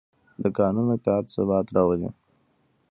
د قانون اطاعت ثبات راولي